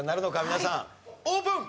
皆さんオープン！